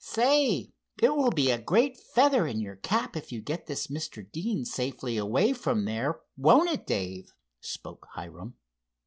"Say, it will be a great feather in your cap if you get this Mr. Deane safely away from there; won't it, Dave?" spoke Hiram.